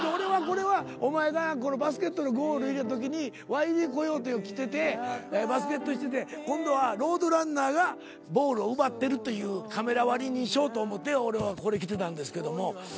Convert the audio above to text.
これはお前がバスケットのゴール入れたときにワイリー・コヨーテを着ててバスケットしてて今度はロード・ランナーがボールを奪ってるというカメラ割りにしようと思って俺はこれ着てたんですけども